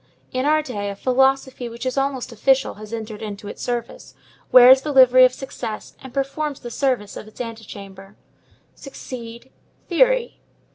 In our day, a philosophy which is almost official has entered into its service, wears the livery of success, and performs the service of its antechamber. Succeed: theory.